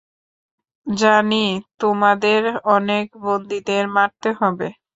জানি তোমাদের অনেক বন্দীদের মারতে হবে।